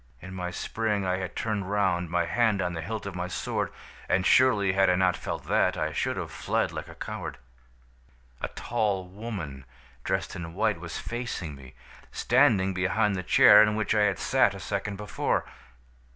In my spring I had turned round, my hand on the hilt of my sword, and surely had I not felt that, I should have fled like a coward. "A tall woman, dressed in white, was facing me, standing behind the chair in which I had sat a second before.